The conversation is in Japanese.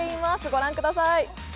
ご覧ください。